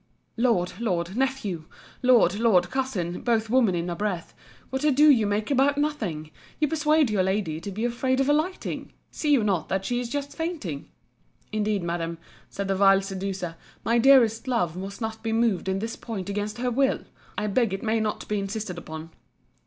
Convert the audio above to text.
Lord, Lord, Nephew, Lord, Lord, Cousin, both women in a breath, what ado you make about nothing! You persuade your lady to be afraid of alighting.—See you not that she is just fainting? Indeed, Madam, said the vile seducer, my dearest love must not be moved in this point against her will. I beg it may not be insisted upon.